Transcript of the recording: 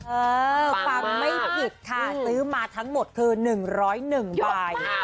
เออฟังไม่ผิดค่ะซื้อมาทั้งหมดคือหนึ่งร้อยหนึ่งใบ